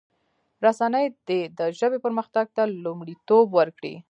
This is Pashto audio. رسنی دي د ژبې پرمختګ ته لومړیتوب ورکړي.